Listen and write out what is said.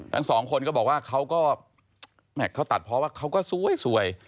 ทั้งสองคนก็บอกว่าเขาก็ตัดเพราะว่าเขาก็สวย